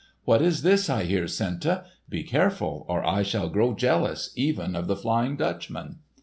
"What is this I hear, Senta? Be careful, or I shall grow jealous even of the Flying Dutchman!"